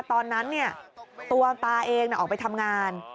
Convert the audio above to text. ตอนนั้นตัวตาเองออกไปทำงาน